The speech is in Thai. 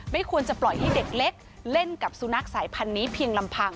ไม่ควรจะปล่อยให้เด็กเล็กเล่นกับสุนัขสายพันธุ์นี้เพียงลำพัง